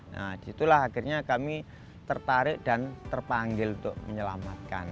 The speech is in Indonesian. nah disitulah akhirnya kami tertarik dan terpanggil untuk menyelamatkan